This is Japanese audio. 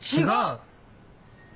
違う！